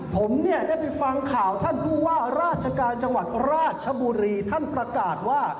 ผมเนี่ยได้ไปฟังข่าวท่านผู้ว่าราชการจังหวัดราชบุรีท่านประกาศว่า